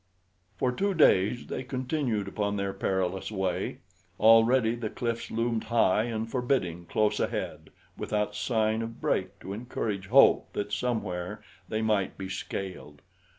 For two days they continued upon their perilous way. Already the cliffs loomed high and forbidding close ahead without sign of break to encourage hope that somewhere they might be scaled.